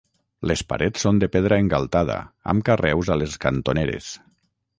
Les parets són de pedra engaltada, amb carreus a les cantoneres.